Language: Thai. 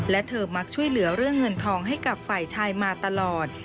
และเธอมักช่วยเหลือเรื่องเงินทองให้กับฝ่ายชายมาตลอด